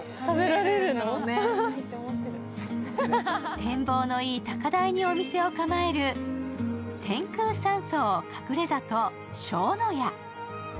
展望のいい高台にお店を構える、天空山荘かくれ里庄の家。